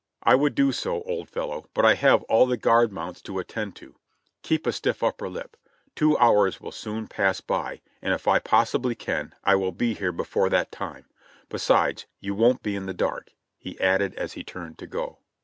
"I would do so, old fellow, but I have all the guard mounts to attend to. Keep a stiff upper lip! Two hours will soon pass by, and if I possibly can, I will be here before that time; besides, you won't be in the dark," he added as he turned to go.